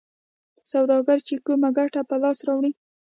سوداګر چې کومه ګټه په لاس راوړي